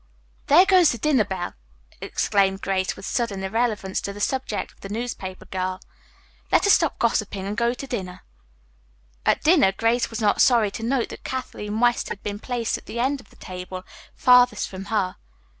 "There goes the dinner bell!" exclaimed Grace, with sudden irrelevance to the subject of the newspaper girl. "Let us stop gossiping and go to dinner." At dinner Grace was not sorry to note that Kathleen West had been placed at the end of the table farthest from her.